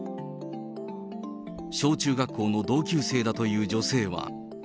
小中学校の同級生だという女性は。